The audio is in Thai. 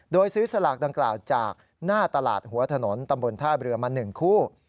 โดยซื้อสลากดังกล่าวจากหน้าตลาดหัวถนนตำบลท่าเรือมา๑คู่